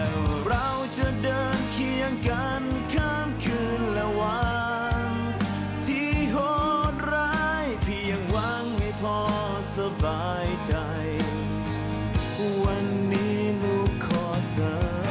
ถูกว่าจะได้ลุยความวินัชยาะ